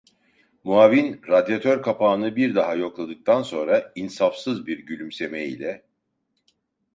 Muavin radyatör kapağını bir daha yokladıktan sonra, insafsız bir gülümseme ile: